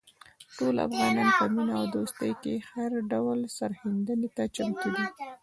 ټول افغانان په مینه او دوستۍ کې هر ډول سرښندنې ته چمتو دي.